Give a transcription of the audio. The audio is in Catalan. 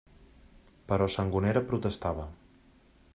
Però Sangonera protestava.